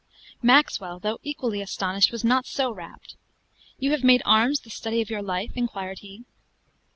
Maxwell, though equally astonished, was not so rapt. "You have made arms the study of your life?" inquired he.